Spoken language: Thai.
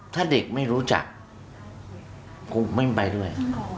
ถ้าเด็กไม่รู้จักกูไม่ไปด้วย